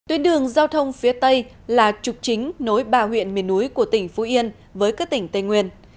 tuyến đường giao thông phía tây là trục chính nối ba huyện miền núi của tỉnh phú yên với các tỉnh tây nguyên